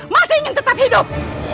masih ingin tetap hidup